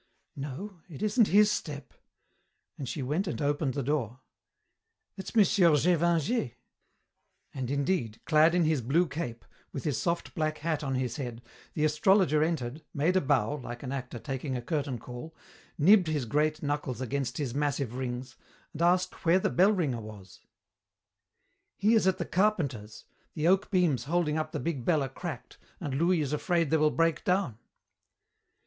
"No, it isn't his step," and she went and opened the door. "It's Monsieur Gévingey." And indeed, clad in his blue cape, with his soft black hat on his head, the astrologer entered, made a bow, like an actor taking a curtain call, nibbed his great knuckles against his massive rings, and asked where the bell ringer was. "He is at the carpenter's. The oak beams holding up the big bell are cracked and Louis is afraid they will break down."